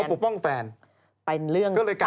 เป็นเรื่องต่างหากอีก